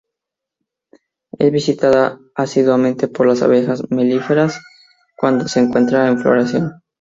Es visitada asiduamente por las abejas melíferas cuando se encuentra en floración.